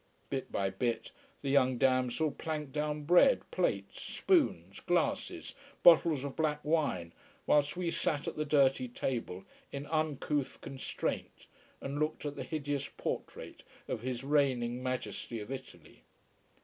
Bit by bit the young damsel planked down bread, plates, spoons, glasses, bottles of black wine, whilst we sat at the dirty table in uncouth constraint and looked at the hideous portrait of His reigning Majesty of Italy.